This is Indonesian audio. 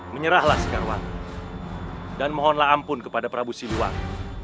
menyerahlah segarwang dan mohonlah ampun kepada prabu siliwang